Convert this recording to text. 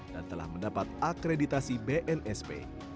dan telah mendapat akreditasi bnsp